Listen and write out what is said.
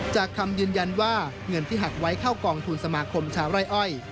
คำยืนยันว่าเงินที่หักไว้เข้ากองทุนสมาคมชาวไร่อ้อย